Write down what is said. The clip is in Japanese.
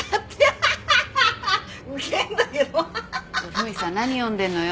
史さん何読んでんのよ。